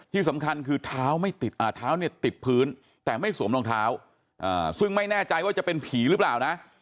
ที่สำคัญคือเท้าติดพื้นแต่ไม่สวมรองเท้าซึ่งไม่แน่ใจว่าจะเป็นผีหรือเปล่านะ